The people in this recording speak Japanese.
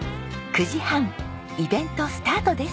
９時半イベントスタートです。